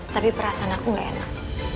tapi perasaan aku gak enak